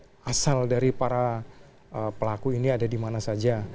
kemudian asal dari para pelaku ini ada dimana saja